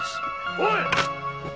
おい！